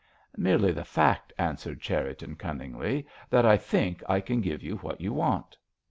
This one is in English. "Merely the fact," answered Cherriton, cunningly, "that I think I can give you what you want."